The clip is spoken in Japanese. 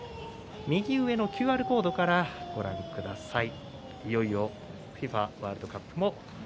右上のＱＲコードからご覧ください。